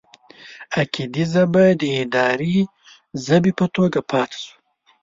اکدي ژبه د اداري ژبې په توګه پاتې شوه.